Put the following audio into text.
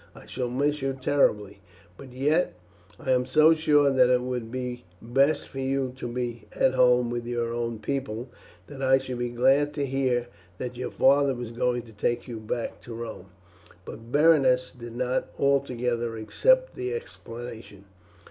I shall miss you terribly; but yet I am so sure that it would be best for you to be at home with your own people, that I should be glad to hear that your father was going to take you back to Rome." But Berenice did not altogether accept the explanation.